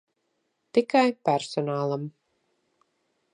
Tikai personālam.